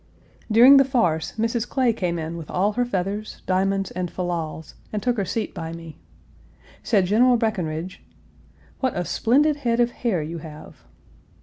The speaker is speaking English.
During the farce Mrs. Clay came in with all her feathers, diamonds, and fallals, and took her seat by me. Said General Breckinridge, "What a splendid head of hair you have."